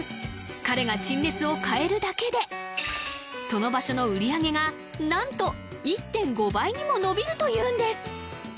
彼が陳列を変えるだけでその場所の売り上げがなんと１．５倍にも伸びるというんです